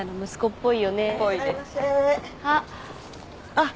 あっ。